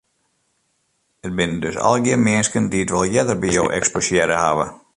It binne dus allegear minsken dy't wol earder by jo eksposearre hawwe?